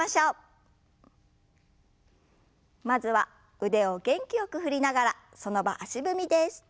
まずは腕を元気よく振りながらその場足踏みです。